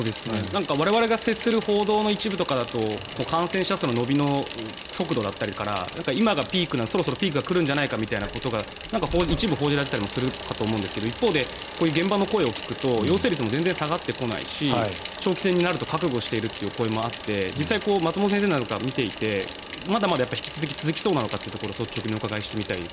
我々が接する報道の一部とかだと感染の伸びの速度だったりとか今がピーク、そろそろピークが来るんじゃないかということが一部報じられていたかと思うんですが一方で現場の声を聞くと陽性率も全然下がってこないし長期戦になると覚悟しているという声もあって実際、松本先生なんかから見ていてまだまだ引き続き続きそうなのかというところを率直にお伺いしたいです。